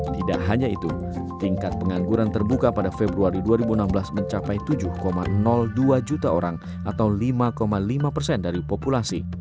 tidak hanya itu tingkat pengangguran terbuka pada februari dua ribu enam belas mencapai tujuh dua juta orang atau lima lima persen dari populasi